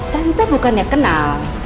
tante bukannya kenal